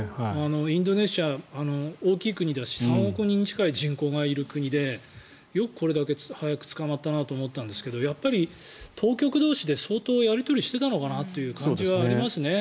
インドネシア、大きい国だし３億人近い人口がいる国でよくこれだけ早く捕まったなと思ったんですけどやっぱり当局同士で相当やり取りしていたのかなという感じはありますね。